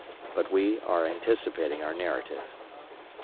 But we are anticipating our narrative.